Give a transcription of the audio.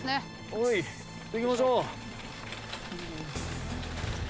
「はい行きましょう」